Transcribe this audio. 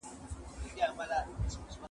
زه پوښتنه کړې ده!!